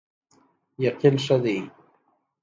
یقین ښه دی.